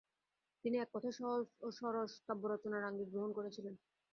তিনি এক সহজ ও সরস কাব্যরচনার আঙ্গিক গ্রহণ করেছিলেন।